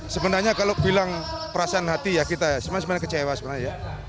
sebenarnya kalau bilang perasaan hati ya kita semua sebenarnya kecewa sebenarnya ya